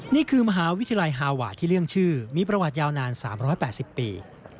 นี่คือมหาวิทยาลัยฮาวาที่เลี่ยงชื่อมีประวัติยาวนาน๓๘๐ปี